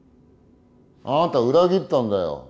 あなた裏切ったんだよ